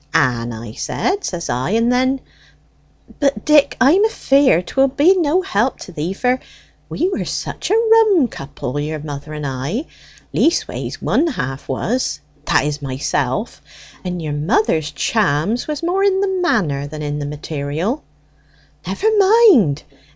'Ann,' I said, says I, and then, but, Dick I'm afeard 'twill be no help to thee; for we were such a rum couple, your mother and I, leastways one half was, that is myself and your mother's charms was more in the manner than the material." "Never mind!